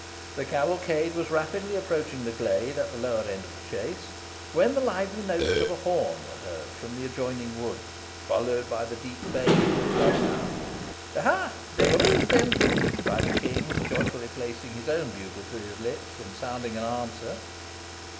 The cavalcade was rapidly approaching the glade at the lower end of the chase, when the lively notes of a horn were heard from the adjoining wood, followed by the deep baying of a bloodhound. "Aha! they have roused him," cried the King, joyfully placing his own bugle to his lips, and sounding an answer.